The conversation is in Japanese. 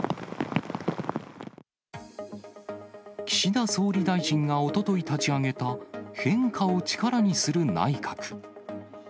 岸田総理大臣がおととい立ち上げた、変化を力にする内閣。